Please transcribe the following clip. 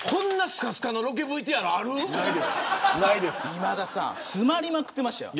今田さん詰まりまくってましたよ。